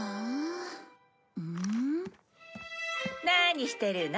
何してるの？